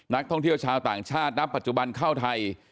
นักท่องเที่ยวชาวต่างชาติณปัจจุบันเข้าไทย